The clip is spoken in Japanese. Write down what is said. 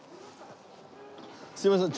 すみません。